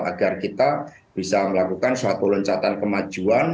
agar kita bisa melakukan suatu loncatan kemajuan